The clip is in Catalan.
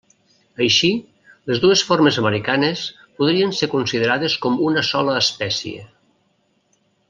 Així, les dues formes americanes podrien ser considerades com una sola espècie.